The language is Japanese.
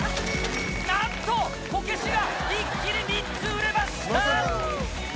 なんと、こけしが一気に３つ売れました。